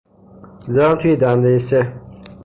زدم توی دندهی سه